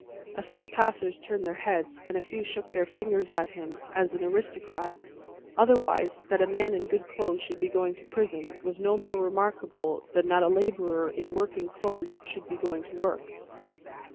A few passers turned their heads, and a few shook their fingers at him as an aristocrat; otherwise, that a man in good clothes should be going to prison, was no more remarkable than that a labourer in working clothes should be going to work.